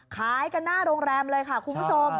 ขายกันหน้าโรงแรมเลยค่ะคุณผู้ชม